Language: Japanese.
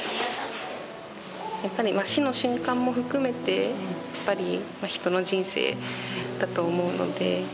やっぱりまあ死の瞬間も含めてやっぱり人の人生だと思うので。